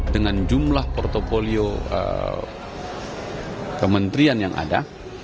dengan jumlah portfolio kementerian yang ada